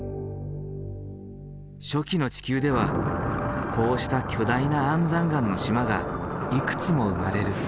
初期の地球ではこうした巨大な安山岩の島がいくつも生まれる。